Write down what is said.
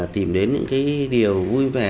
tìm đến những cái điều vui vẻ